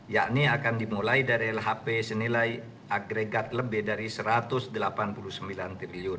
yakni akan dimulai dari lhp senilai agregat lebih dari rp satu ratus delapan puluh sembilan triliun